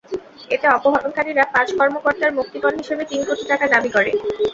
এতে অপহরণকারীরা পাঁচ কর্মকর্তার মুক্তিপণ হিসেবে তিন কোটি টাকা দাবি করে।